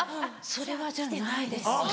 それはじゃあないです。